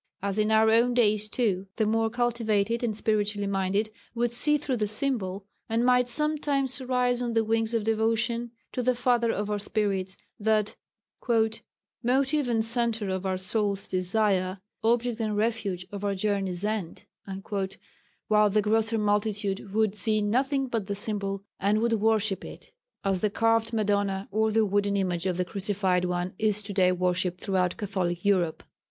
As in our own days too the more cultivated and spiritually minded would see through the symbol, and might sometimes rise on the wings of devotion to the Father of our spirits, that "Motive and centre of our soul's desire, Object and refuge of our journey's end" while the grosser multitude would see nothing but the symbol, and would worship it, as the carved Madonna or the wooden image of the crucified one is to day worshipped throughout Catholic Europe.